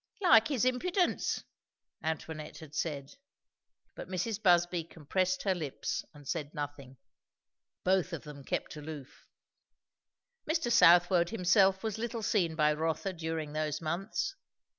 "Like his impudence!" Antoinette had said; but Mrs. Busby compressed her lips and said nothing. Both of them kept aloof. Mr. Southwode himself was little seen by Rotha during those months.